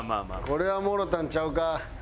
これはもろたんちゃうか？